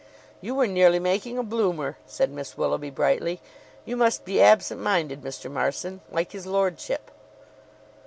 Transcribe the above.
"You were nearly making a bloomer!" said Miss Willoughby brightly. "You must be absent minded, Mr. Marson like his lordship."